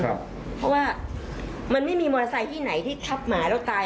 เพราะว่ามันไม่มีมอเตอร์ไซค์ที่ไหนที่ทับหมาแล้วตาย